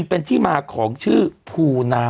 สวัสดีครับคุณผู้ชม